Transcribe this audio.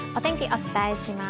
お伝えします。